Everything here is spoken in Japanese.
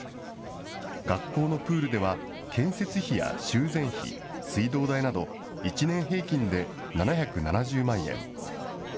学校のプールでは、建設費や修繕費、水道代など、１年平均で７７０万円。